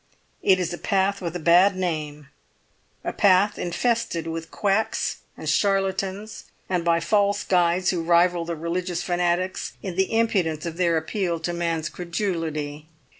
It is a path with a bad name, a path infested with quacks and charlatans, and by false guides who rival the religious fanatics in the impudence of their appeal to man's credulity.